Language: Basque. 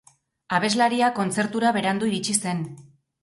Abeslaria kontzertura berandu iritsi zen.